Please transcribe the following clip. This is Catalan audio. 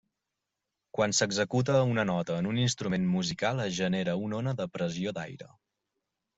Quan s'executa una nota en un instrument musical es genera una ona de pressió d'aire.